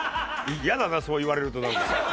嫌だなそう言われるとなんか。